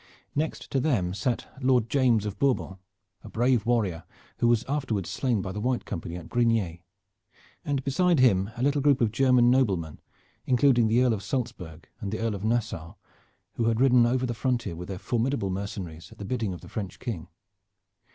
Next to them sat Lord James of Bourbon, a brave warrior who was afterwards slain by the White Company at Brignais, and beside him a little group of German noblemen, including the Earl of Salzburg and the Earl of Nassau, who had ridden over the frontier with their formidable mercenaries at the bidding of the French King.